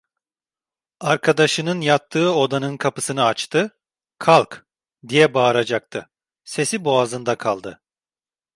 Arkadaşının yattığı odanın kapısını açtı: "Kalk!" diye bağıracaktı, sesi boğazında kaldı.